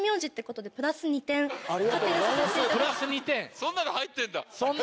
そんなの入ってんだ。